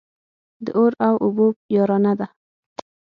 د اور او اوبو يارانه ده.